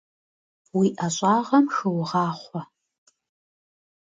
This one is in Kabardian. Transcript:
Уи ӀэщӀагъэм хыугъахъуэ!